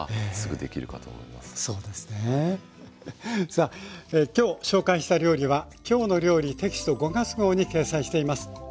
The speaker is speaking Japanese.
さあ今日紹介した料理は「きょうの料理」テキスト５月号に掲載しています。